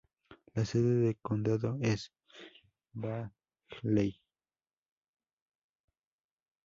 La sede de condado es Bagley.